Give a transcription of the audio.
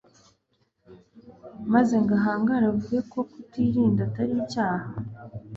maze ngo ahangare avuge ko kutirinda atari icyaha